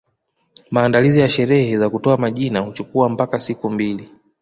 Maandalizi ya sherehe za kutoa majina huchukua mpaka siku mbili